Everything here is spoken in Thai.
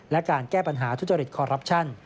และการแก้ปัญหาทุจริตคอรัปชั่น